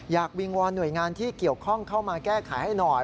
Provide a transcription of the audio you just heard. วิงวอนหน่วยงานที่เกี่ยวข้องเข้ามาแก้ไขให้หน่อย